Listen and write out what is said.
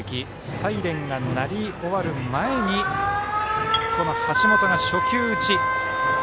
サイレンが鳴り終わる前に橋本が初球打ち。